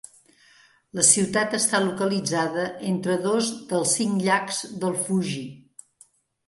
La ciutat està localitzada entre dos dels cinc llacs del Fuji.